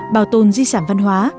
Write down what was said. bảo tồn di sản văn hóa